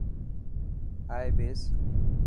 آئي ٻيس.